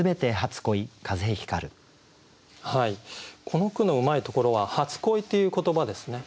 この句のうまいところは「初恋」っていう言葉ですね。